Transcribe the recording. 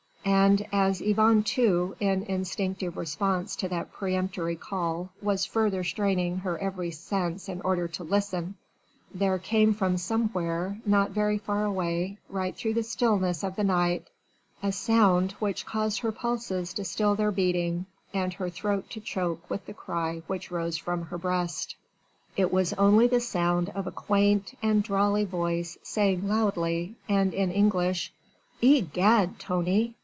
And as Yvonne too in instinctive response to that peremptory call was further straining her every sense in order to listen, there came from somewhere, not very far away, right through the stillness of the night, a sound which caused her pulses to still their beating and her throat to choke with the cry which rose from her breast. It was only the sound of a quaint and drawly voice saying loudly and in English: "Egad, Tony!